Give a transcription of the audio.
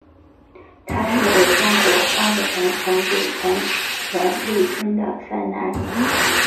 他是尾张国荒子城城主前田利春的三男。